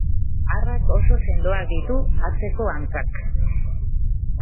Arrak oso sendoak ditu atzeko hankak.